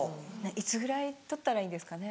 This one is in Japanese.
いつぐらいに取ったらいいですかね？